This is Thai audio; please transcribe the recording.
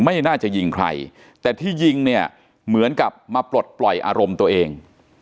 ไม่น่าจะยิงใครแต่ที่ยิงเนี่ยเหมือนกับมาปลดปล่อยอารมณ์ตัวเอง